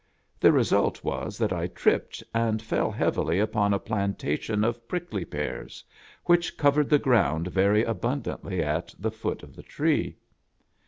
The result was that I tripped and fell heavily upon a plantation of prickly pears, which covered the ground very abundantly at the foot of the tree.